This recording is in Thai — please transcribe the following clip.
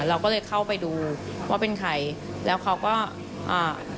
เราก็เลยเข้าไปดูว่าเป็นใครแล้วเขาก็อ่า